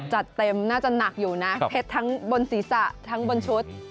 จัดเต็มน่าจะหนักอยู่นะเพชรทั้งบนศีรษะทั้งบนชุด